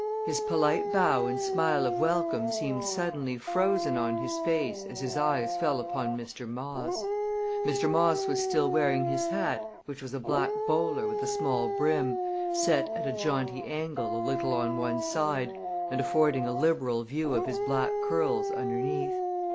His polite bow and smile of welcome seemed suddenly frozen on his face as his eyes fell upon Mr. Moss. Mr. Moss was still wearing his hat, which was a black bowler with a small brim, set at a jaunty angle a little on one side and affording a liberal view of his black curls underneath.